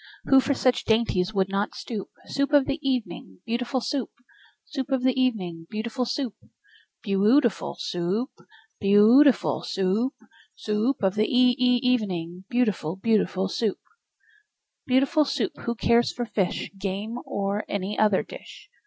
Who for such dainties would not stoop? Soup of the evening, beautiful Soup! Soup of the evening, beautiful Soup! Beau ootiful Soo oop! Beau ootiful Soo oop! Soo oop of the e e evening, Beautiful, beautiful Soup! Beautiful Soup! Who cares for fish, Game, or any other dish?